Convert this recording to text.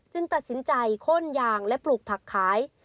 ตัดสินใจข้นยางและปลูกผักขาย